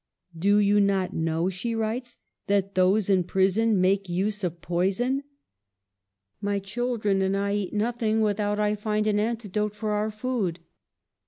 / Do you not know," she writes, *' that those in prison make use of poison? My children and I eat nothing without I find an antidote for our food.